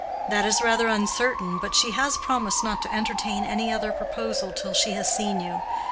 "That is rather uncertain, but she has promised not to entertain any other proposal till she has seen you.